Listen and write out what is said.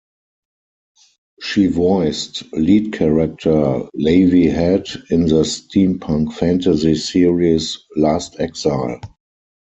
She voiced lead character Lavie Head in the steampunk fantasy series "Last Exile".